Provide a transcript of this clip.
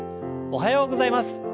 おはようございます。